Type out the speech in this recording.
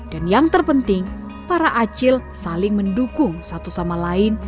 dan yang terpenting para acil saling mendukung satu sama lain